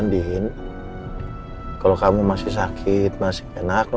andien kalau kamu masih sakit masih enak masih gak kuat